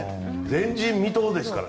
前人未到ですから。